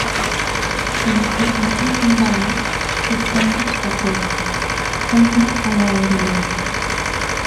Si los personajes son varios, están yuxtapuestos: uno al lado del otro.